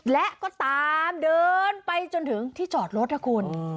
และก็ตามเดินไปจนถึงที่จอดรถนะคุณ